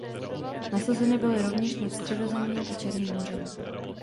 Nasazeny byly rovněž nad Středozemním a Černým mořem.